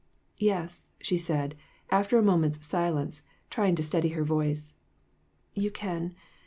"Yes," she said, after a moment's silence, try ing to steady her voice; "you can.